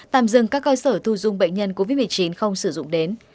tạm dừng các cơ sở thu dung bệnh nhân covid một mươi chín không sử dụng đến